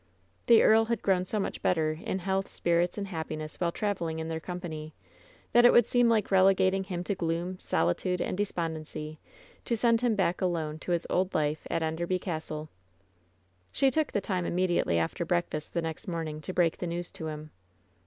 The earl had grown so much better in health, spirits and happiness while traveling in their company, that it would seem like relegating him to gloom, solitude and •despondency to send him back alone to hia old life at Est* derby Castle. WHEN SHADOWS DIE 85 She took the time immediately after breakfast the next morning to break the news to him.